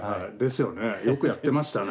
よくやってましたね。